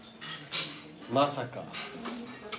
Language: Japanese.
まさか。